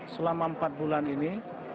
selama empat bulan ini